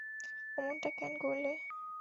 অমনটা কেন করলে?